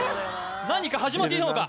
何か始まっていたのか？